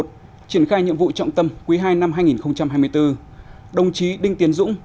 triển khai nhiệm vụ trọng tâm quý ii năm hai nghìn hai mươi bốn